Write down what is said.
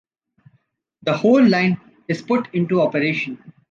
The whole line is put into operation.